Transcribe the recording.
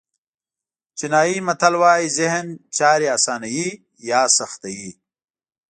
چینایي متل وایي ذهن چارې آسانوي یا سختوي.